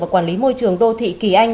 và quản lý môi trường đô thị kỳ anh